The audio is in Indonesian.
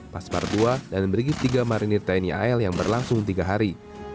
pasmar ii dan bergiftiga marinir tni al yang berlangsung tiga hari